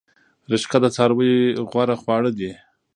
رشقه د څارویو غوره خواړه دي